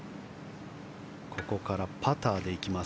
ここからパターで行きます。